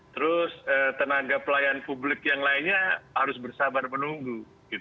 terus tenaga pelayan publik yang lainnya harus bersabar menunggu